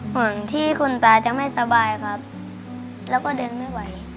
ห่วงที่คุณตาจะไม่สบายครับแล้วก็เดินไม่ไหว